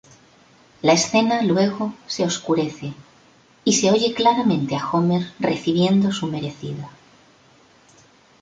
La escena, luego, se oscurece y se oye claramente a Homer recibiendo su merecido.